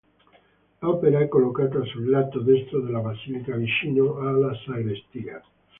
L'opera è collocata sul lato destro della basilica, vicino alla sagrestia.